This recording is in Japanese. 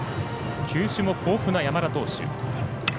球種も豊富な山田投手。